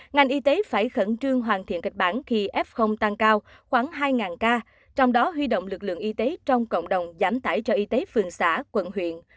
ngành y tế phải khẩn trương hoàn thiện kịch bản khi f tăng cao khoảng hai ca trong đó huy động lực lượng y tế trong cộng đồng giảm tải cho y tế phường xã quận huyện